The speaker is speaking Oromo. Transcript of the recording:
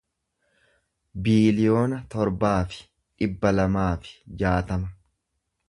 biiliyoona torbaa fi dhibba lamaa fi jaatama